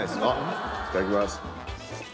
いただきます。